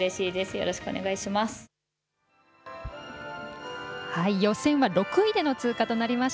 よろしくお願いします。